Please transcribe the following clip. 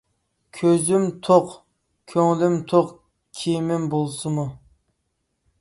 كۆزۈم توق، كۆڭلۈم توق كېمىم بولسىمۇ.